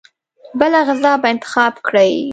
بله غذا به انتخاب کړي.